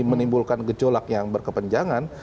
menimbulkan gecolak yang berkepenjangan